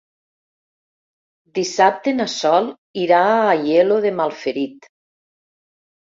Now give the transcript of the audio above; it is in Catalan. Dissabte na Sol irà a Aielo de Malferit.